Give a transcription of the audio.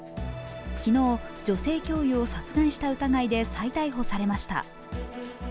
昨日、女性教諭を殺害した疑いで再逮捕されました。